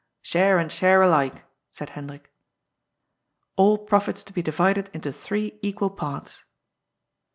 ^^ Share and share alike," said Hendrik. ^^ All profits to be divided into three equal parts."